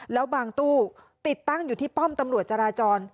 แล้วบางตู้ติดตั้งอยู่ที่ป้อมตำรวจจราจร